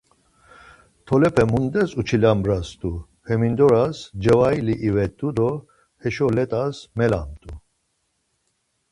Tolepe mundes uçilambrastu hemindoras cevaili ivet̆u do heşo let̆as melamt̆u.